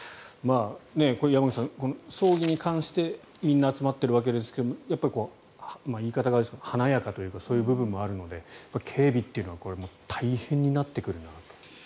山口さん、葬儀に関してみんな集まっているわけですが言い方があれですが華やかというかそういう部分もあるので警備というのは大変になってくるんだなと。